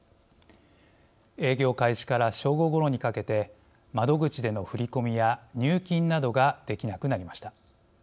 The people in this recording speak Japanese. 営業開始から正午ごろにかけて窓口での振り込みや入金などができなくなりました。